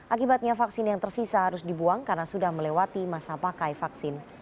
akibatnya vaksin yang tersisa harus dibuang karena sudah melewati masa pakai vaksin